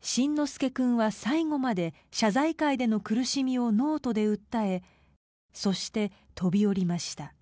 辰乃輔君は最後まで謝罪会での苦しみをノートで訴えそして、飛び降りました。